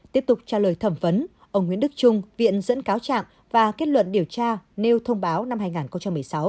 tiếp tục trả lời thẩm vấn ông nguyễn đức trung viện dẫn cáo trạng và kết luận điều tra nêu thông báo năm hai nghìn một mươi sáu